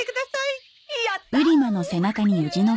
やったー！